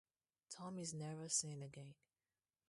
Tom is never seen again.